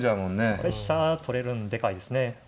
これ飛車が取れるんでかいですね。